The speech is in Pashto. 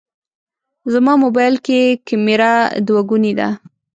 زما موبایل کې کمېره دوهګونې ده.